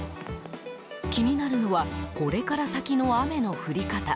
気になるのはこれから先の雨の降り方。